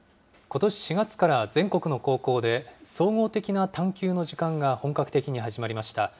ことし４月から全国の高校で、総合的な探究の時間が本格的に始まりました。